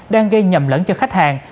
đang gây nhầm lẫn cho khách hàng